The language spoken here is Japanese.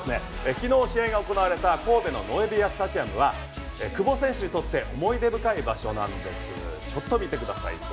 昨日試合が行われた神戸のノエビアスタジアムは久保選手にとって思い出深い場所なんです。